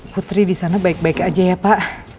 putri disana baik baik aja ya pak